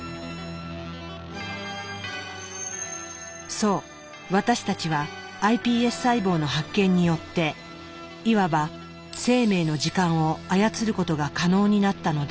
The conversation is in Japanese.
そう私たちはｉＰＳ細胞の発見によっていわば生命の時間を操ることが可能になったのだ。